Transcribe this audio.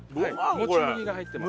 もち麦が入ってます。